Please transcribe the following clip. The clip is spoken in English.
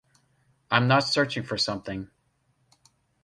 I'm not searching for something